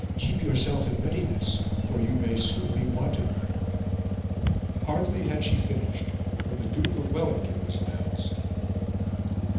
Keep yourself in readiness, for you may soon be wanted." Hardly had she finished when the Duke of Wellington was announced.